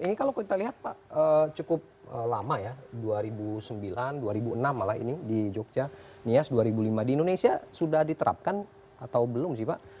ini kalau kita lihat pak cukup lama ya dua ribu sembilan dua ribu enam malah ini di jogja nias dua ribu lima di indonesia sudah diterapkan atau belum sih pak